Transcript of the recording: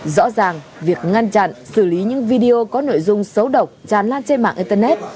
rõ ràng việc ngăn chặn xử lý những video có nội dung xấu độc tràn lan trên mạng internet